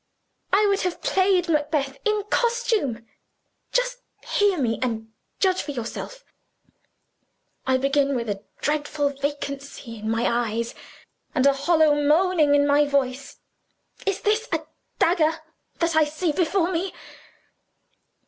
I would have played Macbeth in costume. Just hear me, and judge for yourself. I begin with a dreadful vacancy in my eyes, and a hollow moaning in my voice: 'Is this a dagger that I see before me